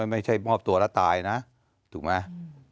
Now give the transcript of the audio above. ไม่ใช่มอบตัวแล้วตายนะถูกไหม